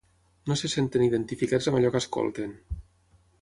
No se senten identificats amb allò que escolten.